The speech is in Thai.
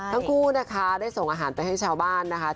ทั้งคู่นะคะได้ส่งอาหารไปให้ชาวบ้านนะคะ